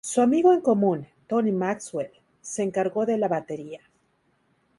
Su amigo en común, Tony Maxwell, se encargo de la batería.